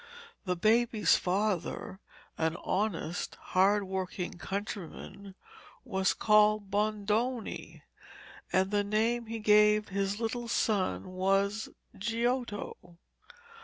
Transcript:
The baby's father, an honest, hard working countryman, was called Bondone, and the name he gave to his little son was Giotto.